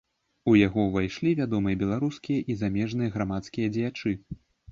У яго ўвайшлі вядомыя беларускія і замежныя грамадскія дзеячы.